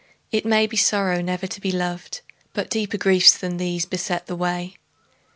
It may be sorrow never to be loved, But deeper griefs than these beset the way.